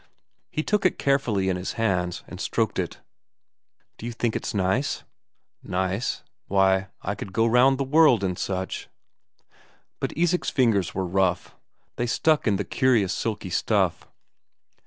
He took it carefully in his hands, and stroked it. "Do you think it's nice?" "Nice why I could go round the world in such." But Isak's fingers were rough; they stuck in the curious silky stuff.